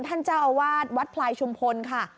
ท่านเจ้าอาวาสวัดพลายชุมพลค่ะ